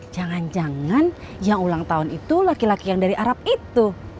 jangan jangan yang ulang tahun itu laki laki yang dari arab itu